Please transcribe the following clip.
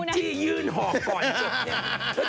แอ้งจี้ยืนหอกก่อนเจ็บเนี่ย